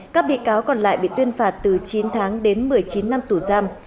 các bị cáo còn lại bị tuyên phạt từ chín tháng đến một mươi chín năm tù giam